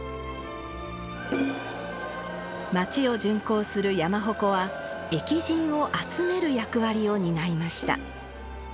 町を巡行する山鉾は疫神を集める役割を担いました。